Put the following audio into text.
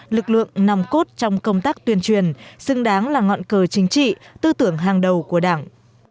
lực lượng nằm cốt trong công tác tuyên truyền xứng đáng là ngọn cờ chính trị tư tưởng hàng đầu của đảng